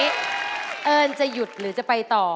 เกิดเกิดเอิญจะหยุดหรือจะไปต่อ